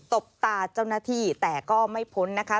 บตาเจ้าหน้าที่แต่ก็ไม่พ้นนะคะ